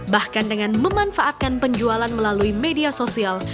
bahkan dengan memanfaatkan penjualan melalui media sosial